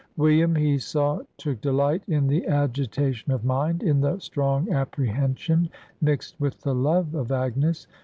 William, he saw, took delight in the agitation of mind, in the strong apprehension mixed with the love of Agnes.